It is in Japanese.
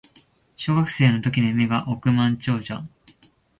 小学生の時の夢が億万長者